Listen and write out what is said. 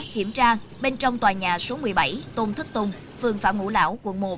kiểm tra bên trong tòa nhà số một mươi bảy tôn thức tùng phường phạm ngũ lão quận một